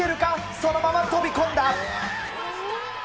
そのまま飛び込んだ。